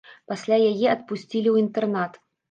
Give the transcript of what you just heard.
Пасля яе адпусцілі ў інтэрнат.